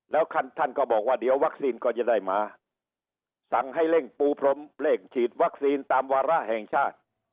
แล้วท่านท่านก็บอกว่าเดี๋ยววัคซีนก็จะได้มาสั่งให้เร่งปูพรมเร่งฉีดวัคซีนตามวาระแห่งชาติ